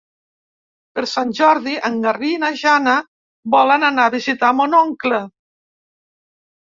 Per Sant Jordi en Garbí i na Jana volen anar a visitar mon oncle.